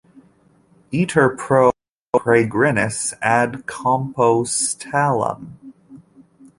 Iter pro peregrinis ad Compostellam.